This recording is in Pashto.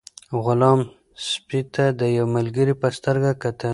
غلام سپي ته د یو ملګري په سترګه کتل.